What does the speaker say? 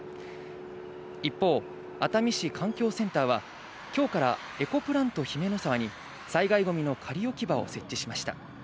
一方、熱海市環境センターは今日からエコ・プラント姫の沢に災害ごみの仮置き場を設置しました。